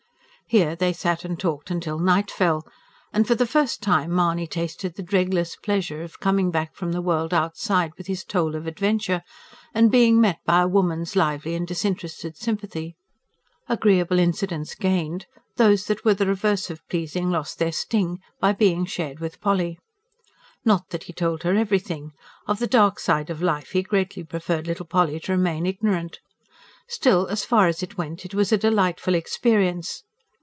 Here they sat and talked till night fell; and, for the first time, Mahony tasted the dregless pleasure of coming back from the world outside with his toll of adventure, and being met by a woman's lively and disinterested sympathy. Agreeable incidents gained, those that were the reverse of pleasing lost their sting by being shared with Polly. Not that he told her everything; of the dark side of life he greatly preferred little Polly to remain ignorant. Still, as far as it went, it was a delightful experience.